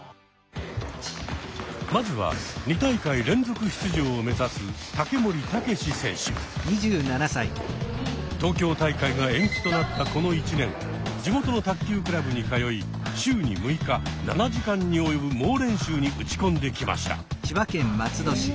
まずは２大会連続出場をめざす東京大会が延期となったこの１年地元の卓球クラブに通い週に６日７時間に及ぶ猛練習に打ち込んできました。